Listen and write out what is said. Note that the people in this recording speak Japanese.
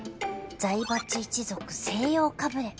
財閥一族西洋かぶれ